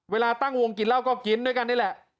เวลาตั้งวงกินเหล้าก็กินด้วยกันนี่แหละ